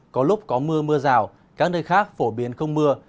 có lúc có mưa mưa rào các nơi khác phổ biến không mưa